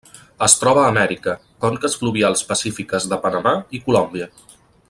Es troba a Amèrica: conques fluvials pacífiques de Panamà i Colòmbia.